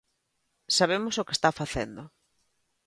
Sabemos o que está facendo.